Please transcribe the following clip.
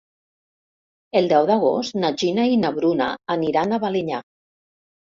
El deu d'agost na Gina i na Bruna aniran a Balenyà.